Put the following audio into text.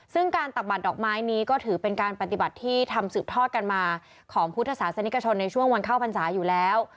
ซึ่งการตักบาดดอกไม้นี้ก็ถือเป็นการปฏิบัติที่ทำสืบทอดกันมาของพุทธศาสนิกชนในช่วงวันเข้าพรรษาอยู่แล้ว